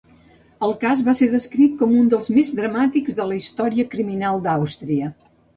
El cas va ser descrit com un dels més dramàtics de la història criminal d'Àustria.